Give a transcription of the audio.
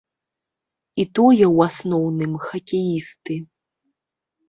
І тое ў асноўным хакеісты.